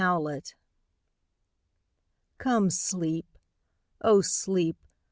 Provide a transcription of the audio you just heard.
To Sleep COME, Sleep; O Sleep!